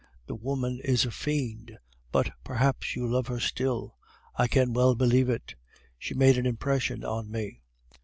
The woman is a fiend, but perhaps you love her still; I can well believe it; she made an impression on me.